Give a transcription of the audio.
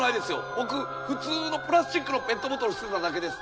僕普通のプラスチックのペットボトル捨てただけです。